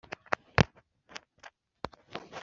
umwanya mu gusenga nawo ugomba gushakwa kandi ukaboneka